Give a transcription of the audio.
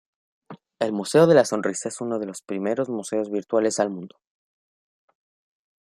El museo de la Sonrisa es uno de los primeros museos virtuales al mundo.